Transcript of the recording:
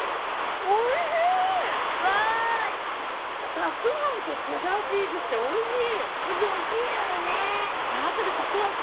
たくあんとチェダーチーズっておいしい！